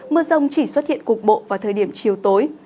mưa rông chỉ xuất hiện cục bộ vào thời điểm chiều tối